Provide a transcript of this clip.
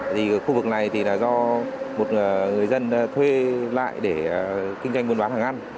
thì khu vực này thì là do một người dân thuê lại để kinh doanh buôn bán hàng ăn